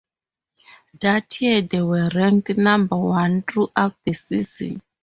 That year, they were ranked number one throughout the season.